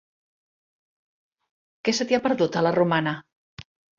Què se t'hi ha perdut, a la Romana?